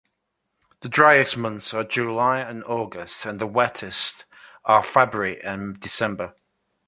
The driest months are July and August and the wettest are February and December.